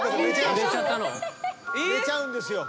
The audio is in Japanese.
寝ちゃうんですよ。